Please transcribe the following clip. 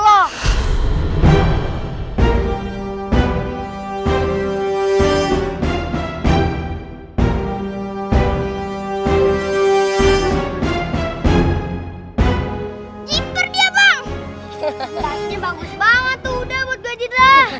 tasnya bagus banget tuh udah buat gajit lah